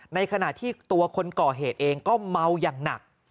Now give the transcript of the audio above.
ในขณะที่ตัวคนก่อเหตุเองก็เมาอย่างหนัก